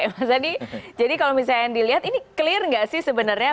mas hadi jadi kalau misalnya dilihat ini clear gak sih sebenarnya